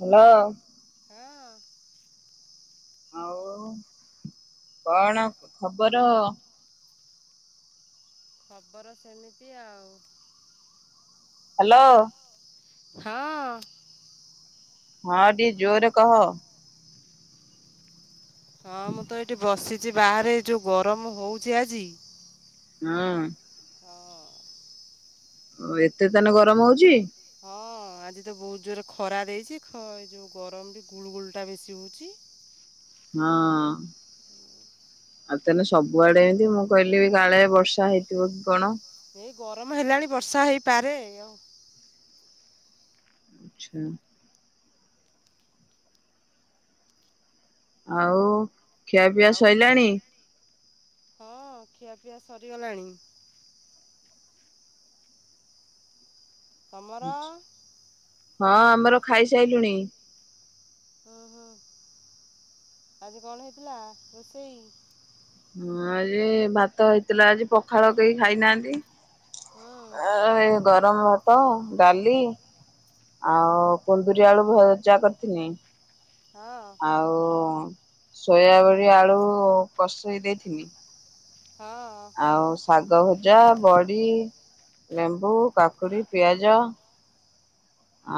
Hello. ହଁ। କଣ ଖବର? ଖବର ସେମିତି ଆଉ ହାଲୋ। ହଁ। ହଁ ଟିକେ ଜୋରେ କହ? ହଁ ମୁଁ ତ ଏଇଠି ବସିଛି ବାହାରେ ଯେଉ ଗରମ ହେଉଛି ଆଜି। ହଁ। ହଁ। ଓ ଏତେ ତାନେ ଗରମ ହଉଛି। ହଁ ଆଜି ତ ବହୁତ ଜୋରେ ଖରା ଦେଇଛି ଏଇ ଯୋଉ ଗରମ ବି ଗୁଳୁ ଗୁଳି ଟା ବେଶି ହଉଛି। ହଁ। ଆଉ ତାହାଲେ ସବୁଆଡେ ଏମିତି ମୁଁ କହିଲି କାଳେ ବର୍ଷା ହେଇଥିବ କି କଣ? ଏଇ ଗରମ ହେଲାଣି ବର୍ଷା ହେଇପାରେ ଆଉ? ଆଛା। ଆଉ ଖିଆ ପିଆ ଆଉ ସଇଲାଣି? ହଁ ଖିଆପିଆ ସରିଗଲାଣି। ତମର? ହଁ ଆମର ଖାଇସାରିଲୁଣି। ହୁଁ ହୁଁ ଆଜି କଣ ହେଇଥିଲା ରୋଷେଇ? ହଁ ଆଜି ଭାତ ହେଇଥିଲା ଆଜି ପଖାଳ କେହି ଖାଇନାହାନ୍ତି। ହୁଁ [inaudible] ଗରମ ଭାତ ଡାଲି ଆଉ କୁନ୍ଦୁରି ଆଳୁ ଭଜା କରିଥିଲି। ହଁ। ଆଉ ସୋୟାବଡି ଆଳୁ କଷେଇ ଦେଇଥିଲି। ହଁ। ଆଉ ଶାଗ ଭଜା ବଡ଼ି ଲେମ୍ବୁ କାକୁଡି ପିଆଜ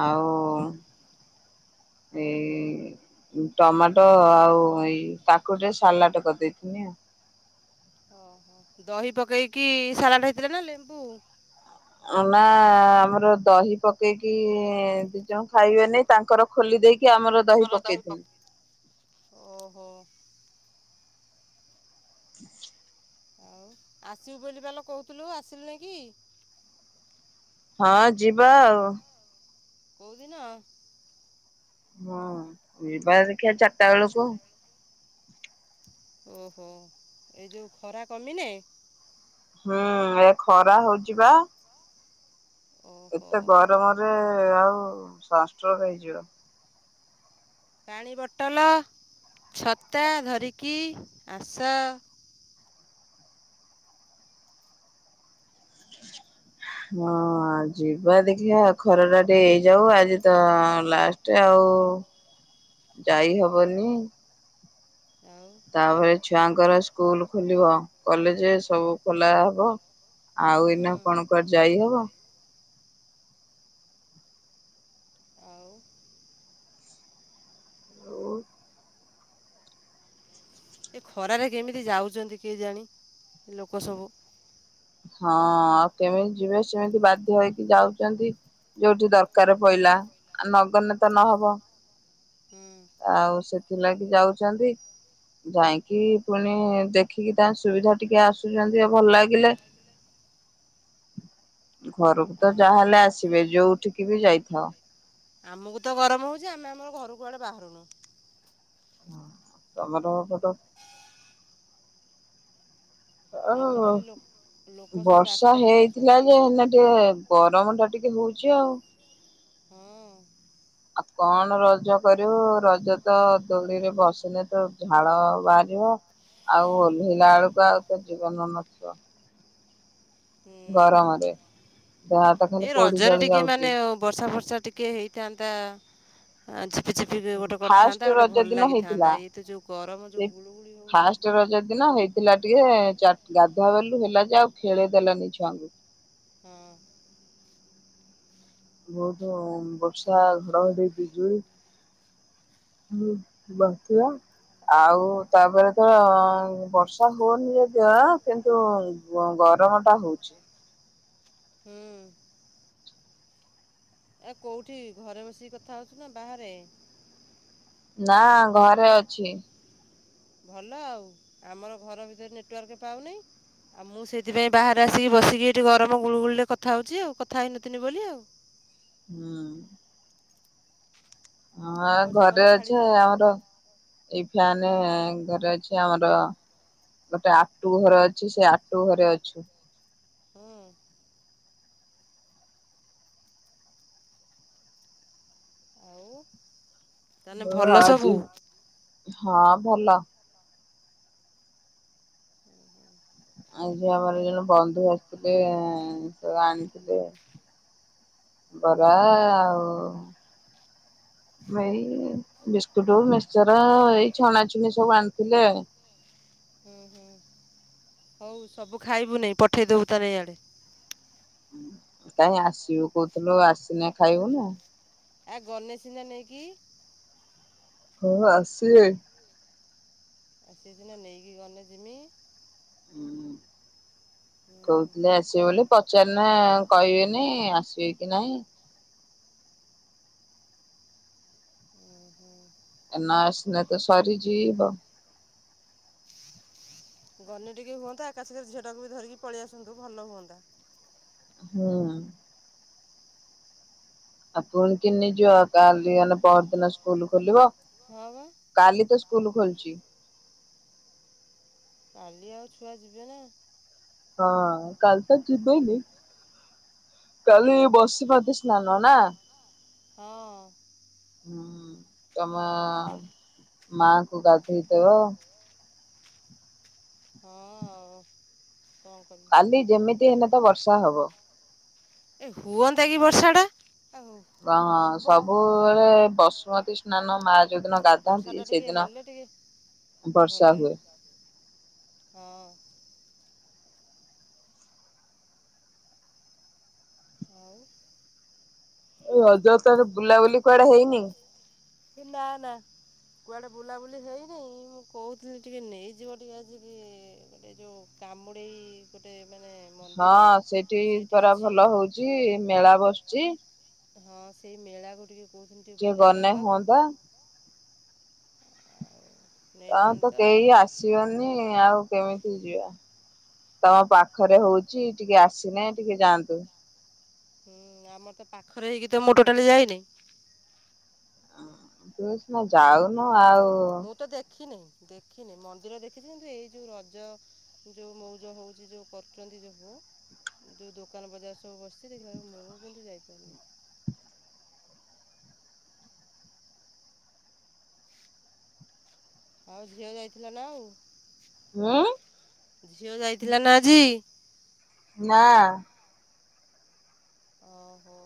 ଆଉ ଏଇ ଟମାଟୋ ଆଉ ଏଇ କାକୁଡିରେ ସାଲାଡ କରିଦେଇଥିନି ଆଉ [unintelligible] ଦହି ପକେଇକି ସାଲାଡ ହେଇଥିଲା ନା ଲେମ୍ବୁ? ନା ଆମର ଦହି ପକେଇକି ଦି ଜଣ ଖାଇବେନି ତାଙ୍କର ଖୋଲି ଦେଇକି ଆମର ଆମର ଦହି ପକେଇ ଓହୋ [unintelligible] ଆଉ ଆସିବୁ ବୋଲି ପାଲୋ କହୁଥିଲୁ ଆସିଲୁ ନାଇକି? ହଁ ଯିବା ଆଉ କୋଉଦିନ? ହଁ ଯିବା ଦେଖିବା ଚାରଟା ବେଳକୁ ଓହୋ ଏଇ ଯେଉ ଖରା କମିନେ ହଁ ଏ ଖରା ହଉଛି ବା ଓହୋ ଏତେ ଗରମରେ ଆଉ ସନଷ୍ଟ୍ରୋଗ ହେଇଯିବ। ପାଣି ବଟଲ ଛତା ଧରିକି ଆସ। ହଁ ଯିବା ଦେଖିବା ଖରାଟା ଟିକେ ହେଇଯାଉ ଆଜି ତ ଲାଷ୍ଟ ଆଉ [inaudible] ଯାଇ ହବନି ଆଉ ତାପରେ ଛୁଆଙ୍କର ସ୍କୁଲ ଖୋଲିବ କଲେଜ ସବୁ ଖୋଲା ହବ। ଆଉ ଏଇନା ହୁଁ କଣ କୁଆଡ ଯାଇ ହବ? ଆଉ ଏ ଖରାରେ କେମିତି ଯାଉଛନ୍ତି କେଜାଣି ଲୋକ ସବୁ? ହଁ ଆଉ କେମିତି ଯିବେ ସେମିତି ବାଧ୍ୟ ହେଇକି ଯାଉଛନ୍ତି। ଯୋଉଠି ଦରକାର ପଡିଲା ନଗଲେ ତ ନହବ। ହୁଁ ଆଉ ସେଥିଲାଗି ଯାଉଛନ୍ତି। ଯାଇକି ପୁଣି ଦେଖିକି ତା ସୁବିଧା ଟିକେ ଆସୁଛନ୍ତି ଆ ଭଲ ଲାଗିଲେ ଘରକୁ ଆ, ତ ଯାହାହେଲେ ଆସିବେ ଯୋଉଠିକି ବି ଯାଇଥାଅ। ଆମକୁ ତ ଗରମ ହଉଛି ଆମେ ଆମର ଘର କୁଆଡେ ବାହାରୁନୁ। ତମର [unintelligible] ଓ ଆମେ ହୋ ଖାଲି ଲୋ- ଲୋକ ସବୁ ବର୍ଷା ରାସ୍ତାରେ ହେଇଥିଲା ଯାଉଛନ୍ତି ଯେ ହେଲେ ଟିକେ ଗରମ ଟା ଟିକେ ହଉଛି ଆଉ। ହଁ। ଆଉ କଣ ରଜ କରିବୁ ରଜ ତ ଦୋଳିରେ ବସିଲେ ତ ଝାଳ ବାହାରିବ ଆଉ ଓଲେହିଲା ବେଳକୁ ଆଉ ତ ଜୀବନ ନଥିବ। ହୁ। ଗରମରେ ଦେହ ହାତ ଖାଲି ପୋଡି ରଜରେ ଜଳି ଟିକେ ମାନେ ଯାଉଛି। ବର୍ଷା ବର୍ଷା ଟିକିଏ ହେଇଥାନ୍ତା ଝିପିଝିପି ଗୋଟେ ଫାଷ୍ଟ କରିଥାନ୍ତା ଗୋଟେ ରଜ ଭଲ ଦିନ ହେଇଥିଲା। ଲାଗିଥାନ୍ତା ଇଏ ତ ଯୋଉ ଗରମ ସେଇ ଯୋଉ ଗୁଳୁଗୁଳି ହଉଛି ଫାଷ୍ଟ ରଜ ଦିନ ହେଇଥିଲା ଟିକେ ଗାଧୁଆ ବଲୁ ହେଲା ଯେ ଆଉ ଖେଳିଦେଲାନି ଛୁଆଙ୍କୁ। ହୁଁ। ବହୁତ ବର୍ଷା ଘଡଘଡି ବିଜଳି ହୁଁ ବସିବା। ଆଉ ତାପରେ ତ ବର୍ଷା ହଉନି ଯଦି କିନ୍ତୁ ଗରମ ଟା ହଉଛି। ହୁଁ। ଆ କୋଉଠି ଘରେ ବସିକି କଥା ହଉଛୁ ନା ବାହାରେ? ନା ଘରେ ଅଛି। ଭଲ ଆଉ ଆମର ଘର ଭିତରେ ନେଟୱାର୍କ ପାଉନି ଆଉ ମୁଁ ସେଇଥିପାଇଁ ବାହାରେ ଆସିକି ବସିକି ଏଠି ଗରମ ଗୁଳୁଗୁଳିରେ କଥା ହେଉଛି ଆଉ କଥା ହେଇନଥିଲି ବୋଲି ଆଉ। ହୁଁ। ହଁ ମୋ ଜୀବନ ଘରେ ଅଛେ ଛାଡ଼ିଯିବ କି ଆମର କଣ ଏଇ ଫ୍ୟାନ ଘରେ ଅଛି ଆମର ଗୋଟେ ଆଟୁ ଘର ଅଛି ସେ ଆଟୁ ଘରେ ଅଛୁ। ହୁଁ। ଆଉ ତାହେଲେ ହ ଭଲ ସବୁ ଆଜି ହଁ ଭଲ। ଆଜି ଆମର ଜଣେ ବନ୍ଧୁ ଆସିଥିଲେ ସେ ଆଣିଥିଲେ। ବରା ଆଉ ଏଇ ବିସ୍କୁଟ ମିକସର ଏଇ ଛଣାଛୁଣି ସବୁ ଆଣିଥିଲେ ଆଉ। ହୁଁ ହୁଁ ହଉ ସବୁ ଖାଇବୁ ନାଇଁ ପଠେଇଦବୁ ତା ଏଇ ଆଡେ। କାଇହିଁ ଆସିବୁ କହୁଥିଲୁ ଆସିନେ ଖାଇବୁ ନା। ଆ ଗନେ ସିନା ନେଇକି। ହଁ ଆସିବେ। ଆଉତି ଦିନେ ନେଇକି ଗଲେ ଯିମି। ହୁଁ, କହୁଥିଲି ଆସିବେ ବୋଲି ପଚାରିଲେ କହିବେନି ଆସିବେ କି ନାହିଁ। ଉଁ, ହୁଁ। ନା ଆସିଲେ ତ ସରି ଯିବ। ଗନି ଟିକେ ହୁଅନ୍ତା ଏକାସଙ୍ଗେ ଝିଅ ଟାକୁ ବି ଧରିକି ପଳେଇଆସନ୍ତୁ ଭଲ ହୁଅନ୍ତା। ହୁଁ। ଆଉ ପୁଣି କି ନେଇଯିବ କାଲି ଗଲେ ପର ଦିନ ସ୍କୁଲ ଖୋଲିବ। ହଁ ବା। କାଲି ତ ସ୍କୁଲ ଖୋଲିଚି। କାଲି ଆଉ ଛୁଆ ଯିବେ ନା? ହଁ କାଲ ତ ଜିବେନି। କାଲି ବସି ମତି ସ୍ନାାନ ନା? ହଁ। ହୁଁ ତମ ମାଙ୍କୁ ଗାଧୋଇଦବ। ହଁ ଆଉ କଣ କରିବି। କାଲି ଯେମିତି ହେନେ ତ ବର୍ଷା ହବ। ଏ ହୁଅନ୍ତା କି ବର୍ଷା ଟା। ହଁ ସବୁବେଳେ ବସୁମତୀ ସ୍ନାନ ମା ଯୋଉ ଦିନ ବର୍ଷାଟା ଗାଧାନ୍ତି ଟିକେ ସେଇଦିନ ହେଲେ ଟିକେ ଭଲ ବର୍ଷା ହୁଏ। ଲାଗିବ ହଁ। ଆଉ? ଏଇ ହଜ ତାରେ ବୁଲାବୁଲି କୁଆଡେ ହେଇନି? ହେ ନା ନା। କୁଆଡ଼େ ବୁଲାବୁଲି ହେଇନି ମୁଁ କହୁଥିଲି ଟିକେ ନେଇଯିବ ଟିକେ ଆସିକି। ଗୋଟେ ଯୋଉ। କାମୁଡ଼େଇ ଗୋଟେ ମାନେ ମନ୍ଦିର ସେଇଠି ଅଛି। ଚି ମେଳା ବସୁଛି। ହଁ ସେଇ ମେଳା କୁ ଟିକେ କହୁଥିନି ଟିକେ ବୁଲେଇ ଗନେ ନବାକୁ ହୁଅନ୍ତା ତାଙ୍କର ତ କେହି ଆସିବନି ଆଉ କେମିତି ଯିବା। ତାଙ୍କ ପାଖରେ ହଉଚି ଟିକେ ଆସିନେ ଟିକେ ଯାଆନନ୍ତେ। ହୁଁ ଆମର ତ ପାଖରେ ହେଇକି ତ ମୁଁ ଟୋଟାଲି ଯାଇନେଇ। ଆ ଉଁ। ତୁସିନା ଯାଉନୁ ଆଉ ମୁଁ ତ ଦେଖିନେଇ ଦେଖିନେଇ ମନ୍ଦିର ଦେଖିଚି କିନ୍ତୁ ଏଇ ଯୋଉ ରଜ ଯେଉଁ ମଉଜ ହେଉଚି ଯେଉଁ କରୁଛନ୍ତି ସବୁ ଯୋଉ ଦୋକାନ ବଜାର ସବୁ ବସିଛି ଦେଖିଲା ବେଳକୁ ମୁଁ କିନ୍ତୁ ଯାଇପାରୁନି। ଆଉ ଝିଅ ଯାଇଥିଲା ନା ଆଉ? ହୁଁ। ଝିଅ ଯାଇଥିଲା ନା ଆଜି? ନା। ଓହୋ।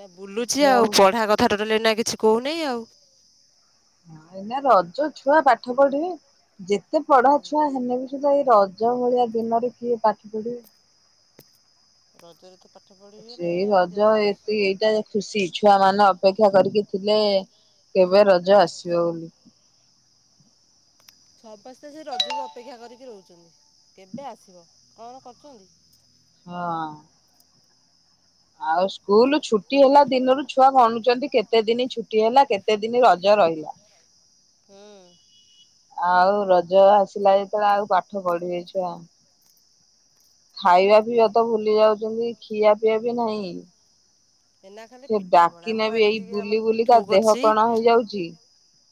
ନା ବୁଲୁଛି ଆଉ ପଢା କଥା ଟୋଟଲି ଏଇ ନା କିଛି କହୁନାହିଁ ଆଉ। ଏଇନା ରଜ ଛୁଆ ପାଠ ପଢିବେ। ଯେତେ ପଢା ଛୁଆ ହେନେ ବି ସୁଧା ଏଇ ରଜ ଭଳିଆ ଦିନରେ କିଏ ପାଠ ପଢିବ। ରଜରେ ତ ପାଠ ପଢ଼ିବେନି ସେଇ ଆଉ ରଜ ଯେତେକ ଏତି ଏଇଟା ଖୁସି ଛୁଆ ମାନେ ଅପେକ୍ଷା କରିକି ଥିଲେ କେବେ ରଜ ଆସିବ ବୋଲି। ସମସ୍ତେ ସେ ରଜକୁ ଅପେକ୍ଷା କରିକି ରହୁଚନ୍ତି କେବେ ଆସିବ କଣ କରୁଚନ୍ତି। ହଁ। ଆଉ ସ୍କୁଲ ଛୁଟି ହେଲା ଦିନରୁ ଛୁଆ ଗଣୁଚନ୍ତି କେତେ ଦିନ ଛୁଟି ହେଲା କେତେ ଦିନ ରଜ ରହିଲା। ହୁଁ। ଆଉ ରଜ ଆସିଲା ଯେତେବେଳେ ଆଉ ପାଠ ପଢି ବେଛୁଆ। ଖାଇବା ପିଇବା ତ ଭୁଲି ଯାଉଚନ୍ତି ଖିଆ ପିଆ ବି ନାହିଁ। ଏଇନା ଖାଲି ସେ ପିଠାପଣା ଡାକିନେ ମୁଁ ବି ଆଜି ଏଇ ଟିକେ ବୁଲି ଆମର ବୁଲିକା ପିଠୋଉ ଦେହ କରିଚି କଣ ହେଇଯାଉଛି।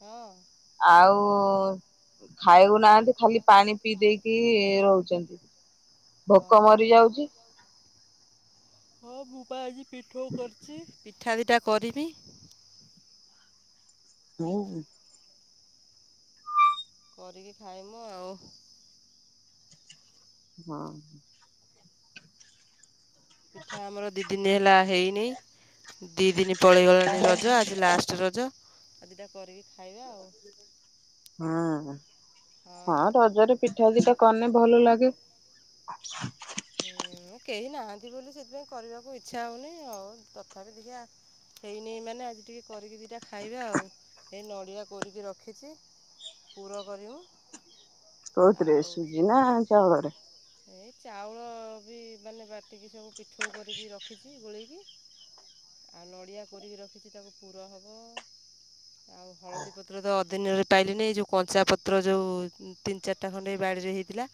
ହଁ। ଆଉ। ଖାଇବୁ ନାହାନ୍ତି ଖାଲି ପାଣି ପିଇ ଦେଇକି ରହୁଚନ୍ତି ହଁ ଭୋକ ମରିଯାଉଚି। ହଁ ମୁଁ ପା ଆଜି ପିଠୋଉ କରିଚି ପିଠା ଦିଟା କରିବି। ହୁଁ। କରିକି ଖାଇମୁ ଆଉ। ହଁ ହଁ। ପିଠା ଆମର ଦି ଦିନ ହେଲା ହେଇନି। ଦି ଦିନ ପଳେଇଗଲାଣି ରଜ ଆଜି ଲାଷ୍ଟ ରଜ ଆଉ ଦିଟା କରିକି ଖାଇବା ଆଉ। ହଁ ହଁ ରଜରେ ପିଠା ଦିଟା କନେ ଭଲ ଲାଗେ। ହୁଁ କେହି ନାହାନ୍ତି ବୋଲି ସେଥିପାଇଁ କରିବାକୁ ଇଚ୍ଛା ହଉନାଇଁ ଆଉ ତଥାପି ଟିକେ ଆ ହେଇନେଇଁ ମାନେ ଆଜି ଟିକେ କରିକି ଦିଇଟା ଖାଇବା ଆଉ ଏଇ ନଡ଼ିଆ କରିକି ରଖିଛି। ପୁର କରିବୁ। କୋଉଥିରେ ଆଉ ସୁଜି ନା ଚାଉଳରେ? ଏଇ ଚାଉଳ ବି ମାନେ ବାଟିକି ସବୁ ପିଠଉ କରିକି ରଖିଛି ଗୋଳେଇକି। ଆଉ ନଡ଼ିଆ କୋରିକୀ ରଖିଚି ତାକୁ ପୁର ହବ। ଆଉ ହଳଦୀ ପତ୍ର ତ ଅଦିନରେ ପାଇଲିନି ଏ ଯୋଉ କଞ୍ଚା ପତ୍ର ଯୋଉ ତିନି ଚାରିଟା ଖଣ୍ଡେ ଏଇ ବାଡ଼ିରେ ହେଇଥିଲା।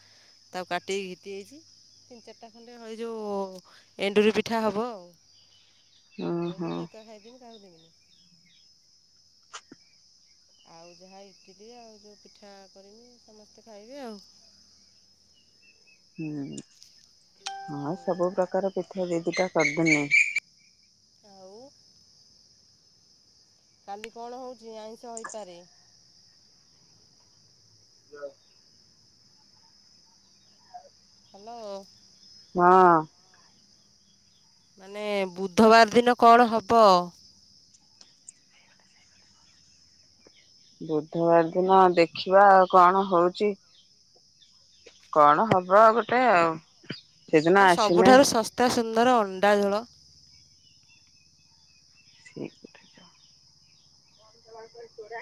ତାକୁ କାଟିକି ଘିତି ଆଇଚି। ତିନି ଚାରିଟା ଖଣ୍ଡେ ଏଇ ଯୋଉ ଏଣ୍ଡୁରି ପିଠା ହବ ଆଉ। ହଁ ମୁଁ ହଁ। କିନ୍ତୁ ଏକା ଖାଇଦେବି କାହାକୁ ଦେମିନି। ଆଉ ଯାହା ଇଟିଲି ଆଉ ଯେଉଁ ପିଠା କରିବି ସମସ୍ତେ ଖାଇବେ ଆଉ। ହୁଁ। ଆଉ ସବୁ ପ୍ରକାର ପିଠା ଦି ଦିଟା କରିଦେନି। ଆଉ କାଲି କଣ ହୋଉଚି ଆଇଁଷ ହେଇପାରେ? ହାଲୋ। ହଁ। ମାନେ ବୁଧବାର ଦିନ କଣ ହବ? ବୁଧବାର ଦିନ ଦେଖିବା କଣ ହଉଚି। କଣ ହବ ଗୋଟେ ଆଉ। ସେଦିନ ଆ ଆସିଲେ ସବୁଠାରୁ ଶସ୍ତା ସୁନ୍ଦର ଅଣ୍ଡା ଝୋଳ। ଠିକ୍।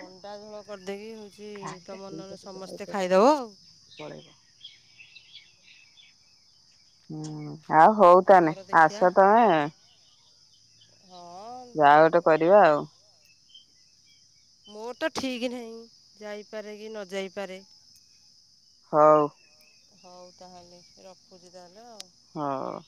ଅଣ୍ଡା ଝୋଳ କରିଦେଇକି ହୋଉଛି କାହିଁକି ତମର ନହଲେ ସେଇପଟେ ସମସ୍ତେ ଜୟପଡା ଖାଇଦେବ ଆଉ। ପଳେଇବ ହୁଁ। ଆଉ ହୋଉ ତାହେନେ ଆମର ଦେଖିବା ଆସ ତମେ। ହଁ। ଯାହା ଗୋଟେ କରିବା ଆଉ। ମୋର ତ ଠିକ୍ ନାହିଁ ଯାଇପାରେ କି ନ ଯାଇପାରେ। ହୋଉ। ହୋଉ ତାହେଲେ ରଖୁଛି ତାହେଲେ ଆଉ। ହଁ।